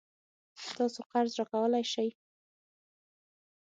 تاسو قرض راکولای شئ؟